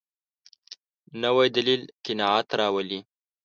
نوی دلیل قناعت راولي